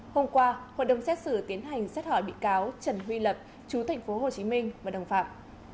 hôm qua hội đồng xét xử tiến hành xét hỏi bị cáo trần huy lập chú tp hcm và đồng phạm